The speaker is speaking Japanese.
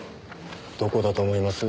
どこだと思います？